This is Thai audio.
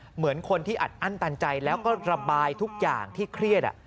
เหมือนคนที่อัดอั้นตันใจแล้วก็ระบายทุกอย่างที่เครียด